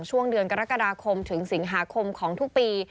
ช่วงเดือนกรกฎาคมถึงสิงหาคมของทุกปี